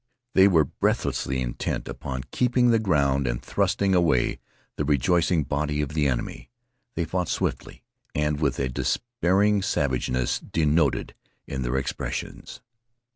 They were breathlessly intent upon keeping the ground and thrusting away the rejoicing body of the enemy. They fought swiftly and with a despairing savageness denoted in their expressions.